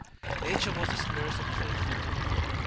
Nature was his nurse and playfellow.